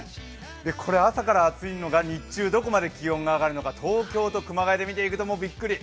これ、朝から暑いのが日中どこまで気温が上がるか、東京と熊谷で見てみると、びっくり。